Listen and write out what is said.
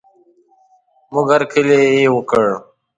موږ هر کلی یې وکړ.